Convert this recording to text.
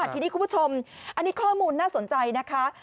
ทีนี้คุณผู้ชมอันนี้ข้อมูลน่าสนใจนะคะ